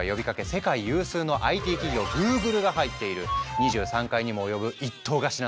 世界有数のＩＴ企業グーグルが入っている２３階にも及ぶ１棟貸しなんだ。